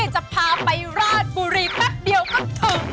จะพาไปราชบุรีแป๊บเดียวก็ถึง